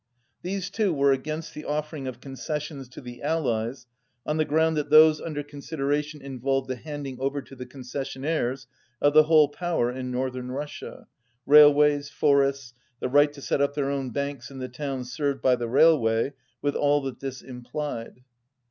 These two were against the offering of concessions to the Allies, on the ground that those under considera tion involved the handing over to the concession aires of the whole power in northern Russia — railways, forests, the right to set up their own banks in the towns served by the railway, with all that this implied.